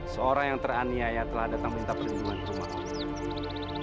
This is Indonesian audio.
seorang yang teraniaya telah datang minta perlindungan ke rumahmu